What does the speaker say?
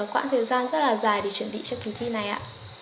quãng thời gian rất là dài để chuẩn bị cho kỳ thi này ạ